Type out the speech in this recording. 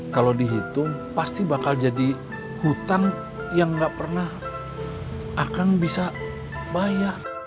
kalau dihitung pasti bakal jadi hutang yang nggak pernah akang bisa bayar